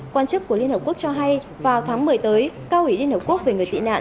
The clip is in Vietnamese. quan chức của liên hợp quốc cho hay vào tháng một mươi tới cao ủy liên hợp quốc về người tị nạn